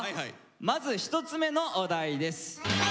まず１つ目のお題です。